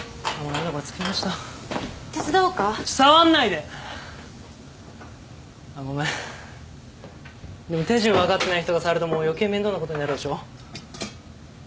でも手順わかってない人が触るともう余計面倒なことになるでしょ。